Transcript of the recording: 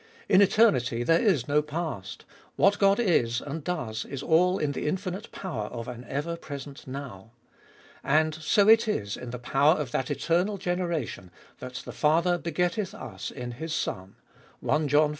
In eternity there is no past ; what God is and does is all in the infinite power of an ever present now. And so it is in the power of that eternal generation that the Father begetteth us in His Son (i John v.